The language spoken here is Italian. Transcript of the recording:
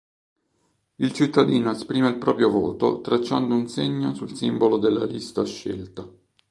Il cittadino esprime il proprio voto tracciando un segno sul simbolo della lista scelta.